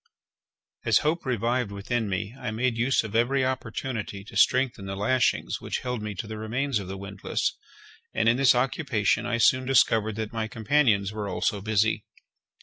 As hope revived within me, I made use of every opportunity to strengthen the lashings which held me to the remains of the windlass, and in this occupation I soon discovered that my companions were also busy.